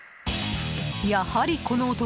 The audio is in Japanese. やはり、この男